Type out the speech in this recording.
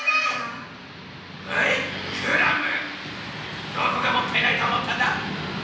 はいクラムどこがもったいないとおもったんだ？